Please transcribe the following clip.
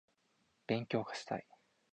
勉強がしたい